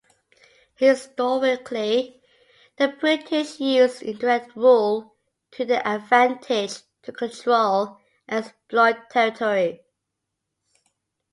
Historically, the British used indirect rule to their advantage to control and exploit territories.